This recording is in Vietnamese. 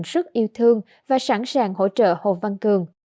cường rất yêu thương và sẵn sàng hỗ trợ hồ văn cường